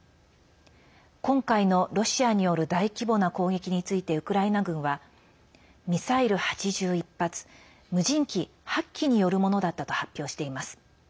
今回のロシアによる大規模な攻撃についてウクライナ軍はミサイル８１発無人機８機によるものだったと発表しています。